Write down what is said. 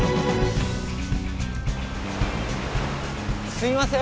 すいません！